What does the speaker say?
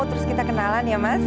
terus kita kenalan ya mas